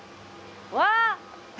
わあ！